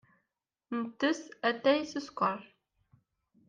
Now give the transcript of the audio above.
Nettess atay s sskeṛ.